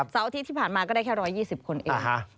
เสาร์อาทิตย์ที่ผ่านมาก็ได้แค่๑๒๐คนเอง